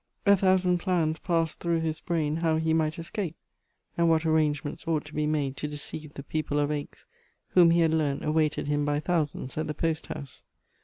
A thousand plans passed through his brain how he might escape, and what arrangements ought to be made to deceive the people of Aix, whom he had learnt awaited him by thousands at the post house.